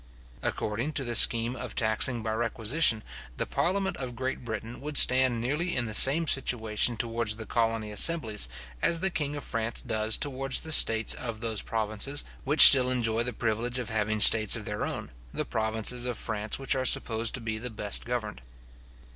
According to the scheme of taxing by requisition, the parliament of Great Britain would stand nearly in the same situation towards the colony assemblies, as the king of France does towards the states of those provinces which still enjoy the privilege of having states of their own, the provinces of France which are supposed to be the best governed.